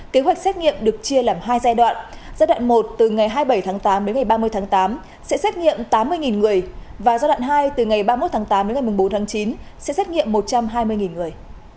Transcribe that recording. kế hoạch xét nghiệm được chia làm hai giai đoạn giai đoạn một từ ngày hai mươi bảy tháng tám đến ngày ba mươi tháng tám sẽ xét nghiệm tám mươi người và giai đoạn hai từ ngày ba mươi một tháng tám đến ngày bốn tháng chín sẽ xét nghiệm một trăm hai mươi người